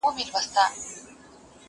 هم په زور كي موږكان نه وه زمري وه!!